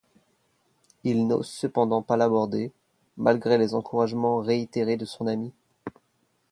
Il n'ose cependant pas l'aborder, malgré les encouragements réitérés de son ami.